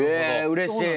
うれしい。